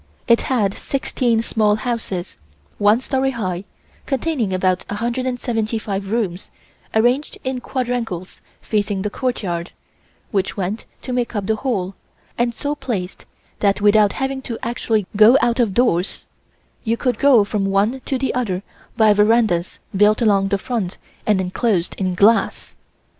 It had sixteen small houses, one story high, containing about 175 rooms, arranged in quadrangles facing the courtyard, which went to make up the whole; and so placed, that without having to actually go out of doors, you could go from one to the other by verandas built along the front and enclosed in glass.